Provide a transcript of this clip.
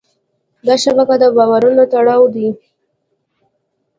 دا شبکه د باورونو تړاو دی.